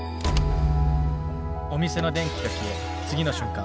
お店の電気が消え次の瞬間。